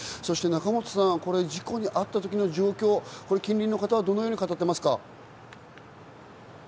仲本さんが事故に遭った時の状況、近隣の方はどのように語っていますか？